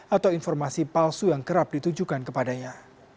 atau informasi palsu yang kerap ditujukan kepadanya